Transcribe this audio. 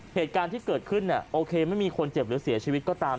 เหตุการณ์ที่เกิดขึ้นโอเคไม่มีคนเจ็บหรือเสียชีวิตก็ตาม